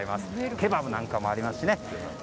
ケバブなんかもありますしね。